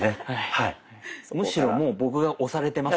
むしろもう僕が押されてます。